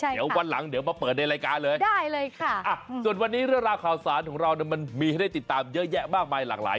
เดี๋ยววันหลังเดี๋ยวมาเปิดในรายการเลยได้เลยค่ะส่วนวันนี้เรื่องราวข่าวสารของเรามันมีให้ได้ติดตามเยอะแยะมากมายหลากหลาย